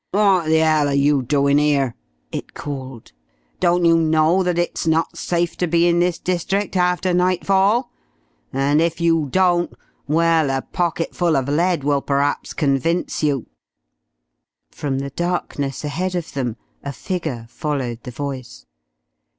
"What the hell are you doing here?" it called. "Don't you know that it's not safe to be in this district after nightfall? And if you don't well, a pocketful of lead will perhaps convince you!" From the darkness ahead of them a figure followed the voice.